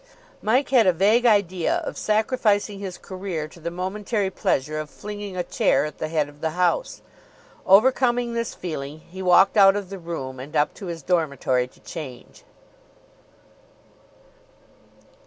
Mike had a vague idea of sacrificing his career to the momentary pleasure of flinging a chair at the head of the house. Overcoming this feeling, he walked out of the room, and up to his dormitory to change.